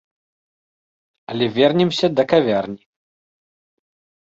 Але вернемся да кавярні.